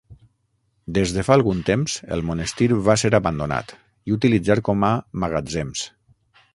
Des de fa algun temps el monestir va ser abandonat, i utilitzat com a magatzems.